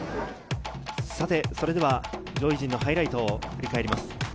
それでは上位陣のハイライトを振り返ります。